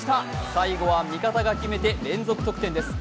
最後は味方が決めて、連続得点です。